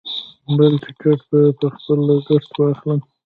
بل ټکټ به په خپل لګښت واخلم.